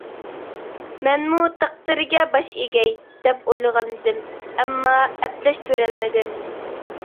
مەنمۇ تەقدىرگە باش ئېگەي، دەپ ئويلىغانىدىم، ئەمما ئەپلەشتۈرەلمىدىم.